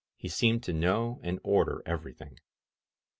••• He seemed to know and order everything.